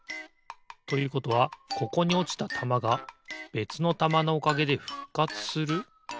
ということはここにおちたたまがべつのたまのおかげでふっかつする？